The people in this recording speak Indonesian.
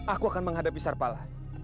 aku akan menghadapi serpalah